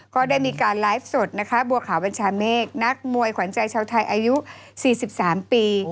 ก็ได้มีการไลฟ์สดนะคะบัวขาวบัญชาเมฆนักมวยขวัญใจชาวไทยอายุ๔๓ปี